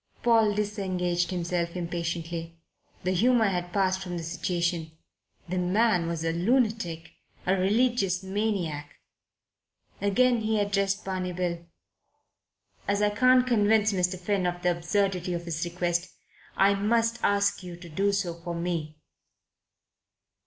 Paul disengaged himself impatiently. The humour had passed from the situation. The man was a lunatic, a religious maniac. Again he addressed Barney Bill. "As I can't convince Mr. Finn of the absurdity of his request, I must ask you to do so for me."